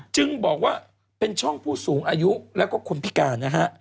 จึงบอกว่าเป็นช่องผู้สูงอายุแล้วก็คนพิการนะฮะ